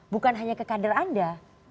bukan hanya ke kader anda